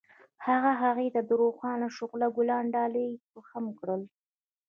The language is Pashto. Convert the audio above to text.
هغه هغې ته د روښانه شعله ګلان ډالۍ هم کړل.